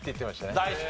大好き。